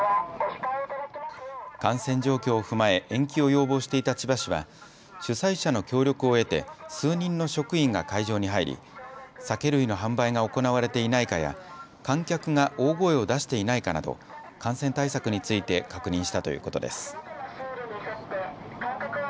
感染状況を踏まえ延期を要望していた千葉市は主催者の協力を得て数人の職員が会場に入り酒類の販売が行われていないかや観客が大声を出していないかなど感染対策について確認したということです。